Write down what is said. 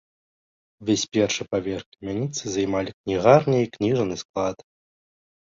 Увесь першы паверх камяніцы займалі кнігарня і кніжны склад.